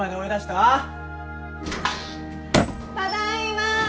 ただいま！